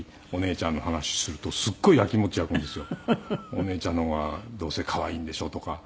「お姉ちゃんの方がどうせ可愛いんでしょ」とか。